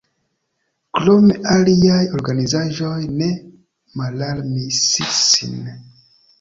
Krome aliaj organizaĵoj ne malarmis sin.